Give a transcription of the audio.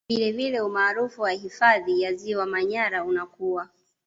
Vilevile umaarufu wa hifadhi ya Ziwa Manyara unakua